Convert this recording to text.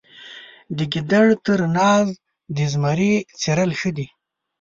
د ګیدړ تر ناز د زمري څیرل ښه دي.